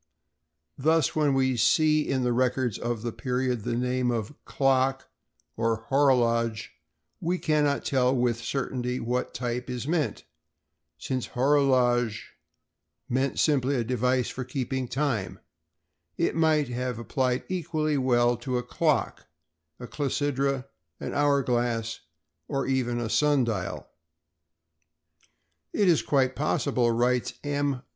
Thus, when we see in the records of the period the name of "clock" or "horologe" we cannot tell with certainty what type is meant, since "horologe" meant simply a device for keeping time; it might have been applied equally well to a clock, clepsydra, an hour glass, or even a sun dial. "It is quite possible," writes M.